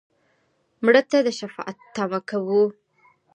مړه ته د شفاعت تمه کوو